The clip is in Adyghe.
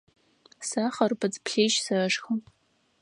Сэ хъырбыдз плъыжь сэшхы.